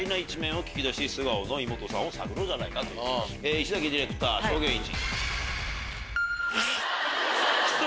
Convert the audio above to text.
石崎ディレクター証言１。